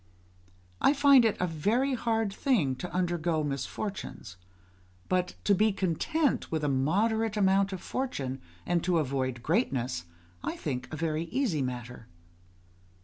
I find it a very hard thing to undergo misfortunes, but to be content with a moderate measure of fortune, and to avoid greatness, I think a very easy matter.